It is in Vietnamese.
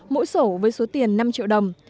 mỗi sổ với số tiền năm triệu đồng